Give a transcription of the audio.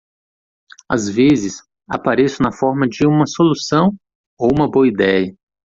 Às vezes, apareço na forma de uma solução? ou uma boa ideia.